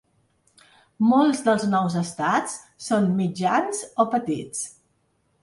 Molts dels nous estats són mitjans o petits.